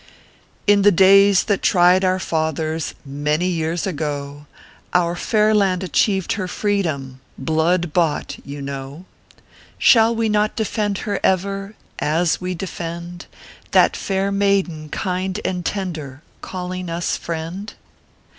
In the days that tried our fathers Many years ago, Our fair land achieved her freedom, Blood bought, you know. Shall we not defend her ever As we d defend That fair maiden, kind and tender, Calling us friend? 60 ORPHEUS C.